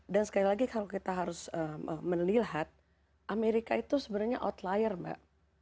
dan sekali lagi kalau kita harus melihat amerika itu sebenarnya outlier mbak